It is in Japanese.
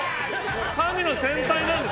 神の先輩なんですよ！